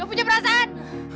gak punya perasaan